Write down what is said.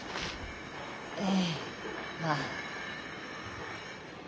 ええまあ。